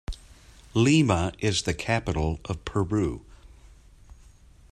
Lima is the capital of Peru.